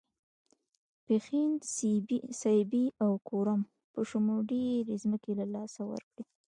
پښین، سیبۍ او کورم په شمول ډېرې ځمکې له لاسه ورکړې.